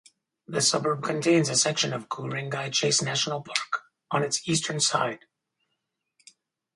The suburb contains a section of Ku-ring-gai Chase National Park on its eastern side.